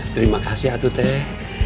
terima kasih atu teh